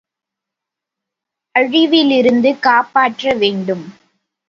அழிவிலிருந்து காப்பாற்ற வேண்டும்!